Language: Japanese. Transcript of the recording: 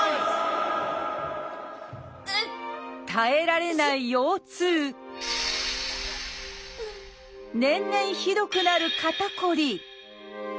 耐えられない腰痛年々ひどくなる肩こり。